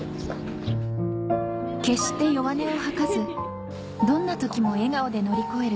決して弱音を吐かずどんな時も笑顔で乗り越える